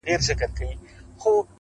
o خو نن د زړه له تله.